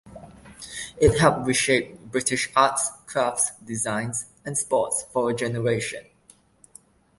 It helped reshape British arts, crafts, designs and sports for a generation.